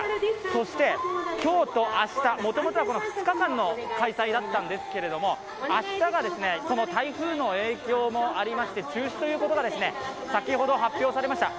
そして今日と明日、もともとはこの２日間の開催だったんですけど、明日が台風の影響もありまして中止ということが先ほど発表されました。